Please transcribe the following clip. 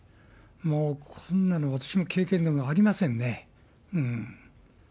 もうこんなの、私も経験がありませんね。